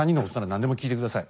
何でも聞いて下さい。